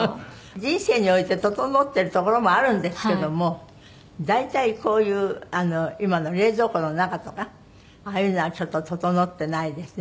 人生において整ってるところもあるんですけども大体こういうあの今の冷蔵庫の中とかああいうのはちょっと整ってないですね。